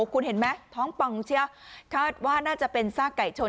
คุณเห็นไหมท้องป่องเชียวคาดว่าน่าจะเป็นซากไก่ชน